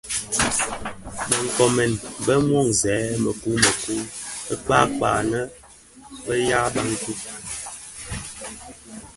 Bë nkoomèn bèn Monzèn mëkuu mekuu mō kpakpag la nnë be ya bantu (Bafia) bö fuugha,